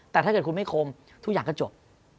แต่ถ้าเกิดคุณไม่คมทุกอย่างก็จบ